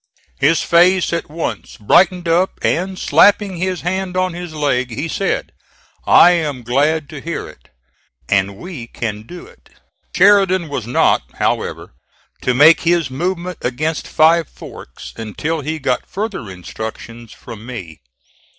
His face at once brightened up, and slapping his hand on his leg he said: "I am glad to hear it, and we can do it." Sheridan was not however to make his movement against Five Forks until he got further instructions from me.